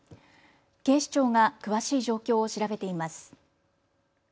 警視庁が詳しい状況を調べています。